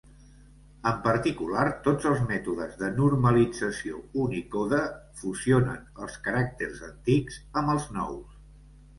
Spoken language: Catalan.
En particular, tots els mètodes de normalització Unicode fusionen els caràcters antics amb els nous.